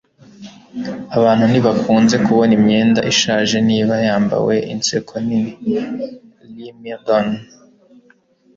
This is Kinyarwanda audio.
abantu ntibakunze kubona imyenda ishaje niba wambaye inseko nini. - lee mildon